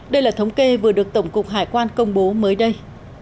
đây là thống kê vừa được tổng cục hải quan công bố mới đây